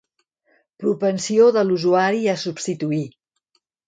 Propensió de l'usuari a substituir.